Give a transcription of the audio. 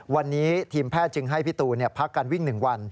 วันนี้ทีมแพทย์จึงให้พี่ตูนพักการวิ่ง๑วัน